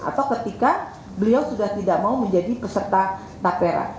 atau ketika beliau sudah tidak mau menjadi peserta tapera